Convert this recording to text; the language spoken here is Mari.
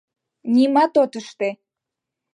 Нимат от ыште!..